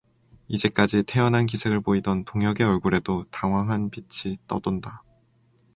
이제까지 태연한 기색을 보이던 동혁의 얼굴에도 당황한 빛이 떠돈다.